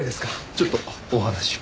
ちょっとお話を。